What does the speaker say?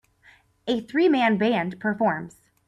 A threeman band performs.